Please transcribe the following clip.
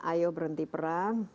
ayo berhenti perang